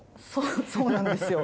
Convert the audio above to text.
そうなんですよ。